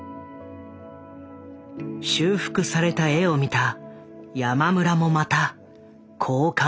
修復された絵を見た山村もまたこう感じていた。